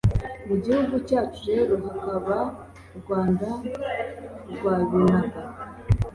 Mu gihugu cyacu rero hakaba Rwanda rwa Binaga